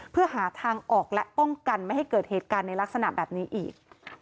เพื่อหาทางออกและป้องกันไม่ให้เกิดเหตุการณ์ในลักษณะแบบนี้อีก